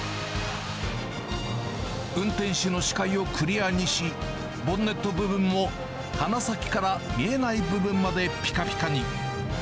運転手の視界をクリアにし、ボンネット部分も鼻先から見えない部分までぴかぴかに。